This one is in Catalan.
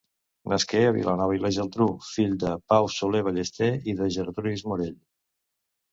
Nasqué a Vilanova i la Geltrú, fill de Pau Soler Ballester i de Gertrudis Morell.